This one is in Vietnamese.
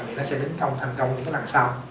thì nó sẽ nín thành công những lần sau